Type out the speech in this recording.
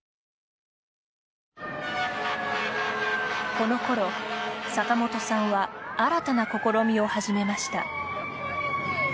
このころ、坂本さんは新たな試みを始めました。